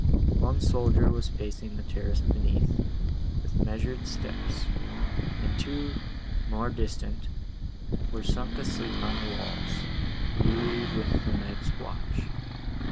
One soldier was pacing the terrace beneath, with measured steps; and two, more distant, were sunk asleep on the walls, wearied with the night's watch.